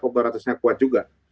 operasinya kuat juga